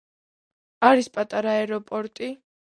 არის პატარა აეროპორტი.